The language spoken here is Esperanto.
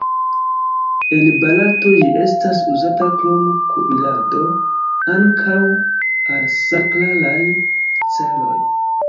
En Barato ĝi estas uzata krom kuirado ankaŭ al sakralaj celoj.